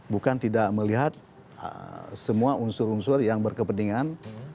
bukan tidak melihat semua unsur unsur yang berkepentingan